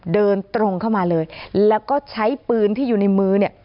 เดินตรงเข้ามาเลยแล้วก็ใช้ปืนที่อยู่ในมือเนี่ย